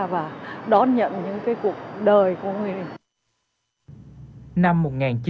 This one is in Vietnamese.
và đón nhận những cái cuộc đời của mình